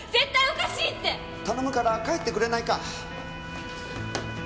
頼むから帰ってくれないか。